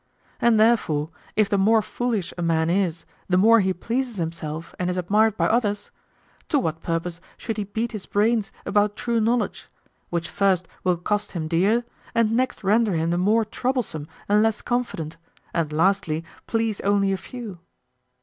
And therefore if the more foolish a man is, the more he pleases himself and is admired by others, to what purpose should he beat his brains about true knowledge, which first will cost him dear, and next render him the more troublesome and less confident, and lastly, please only a few?